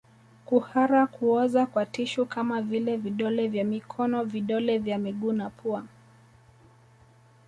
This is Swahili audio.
Kuhara kuoza kwa tishu kama vile vidole vya mikono vidole vya miguu na pua